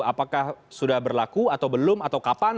apakah sudah berlaku atau belum atau kapan